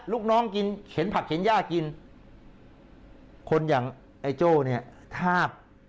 ลูกน้องกินเข็นผักเข็นย่ากินคนอย่างไอ้โจ้เนี่ยทาบ